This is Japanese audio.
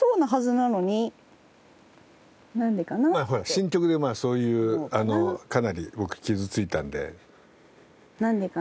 新曲でそういうかなり僕傷ついたんで。